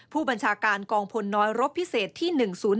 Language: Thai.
ผู้บัญชาการกองพลน้อยรบพิเศษที่๑๐๔